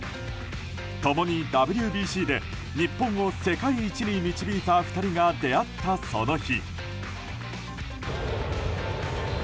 共にＷＢＣで日本を世界一に導いた２人が出会った、その日。